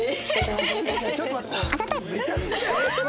もうめちゃくちゃだよ！